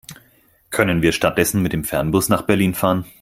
Können wir stattdessen mit dem Fernbus nach Berlin fahren?